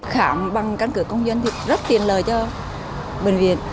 khám bằng căn cứ công dân thì rất tiện lợi cho bệnh viện